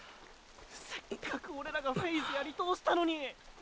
せっかくオレらがフェイズやり通したのに！